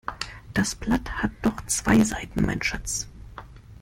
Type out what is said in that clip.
Das Blatt hat doch zwei Seiten mein Schatz.